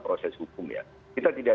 proses hukum ya kita tidak